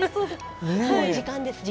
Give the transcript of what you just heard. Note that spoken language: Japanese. もう時間です時間。